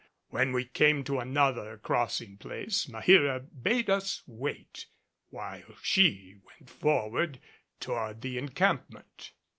When we came to another crossing place Maheera bade us wait while she went forward toward the encampment.